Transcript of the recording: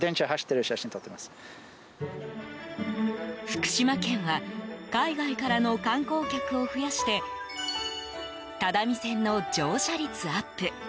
福島県は海外からの観光客を増やして只見線の乗車率アップ